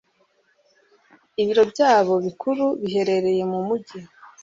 Ibiro byabo bikuru biherereye mu mugi